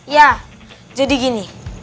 ya jadi gini